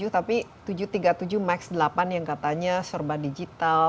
tapi tujuh ratus tiga puluh tujuh max delapan yang katanya serba digital